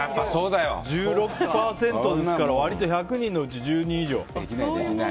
１６％ですから割と１００人のうち１０人以上。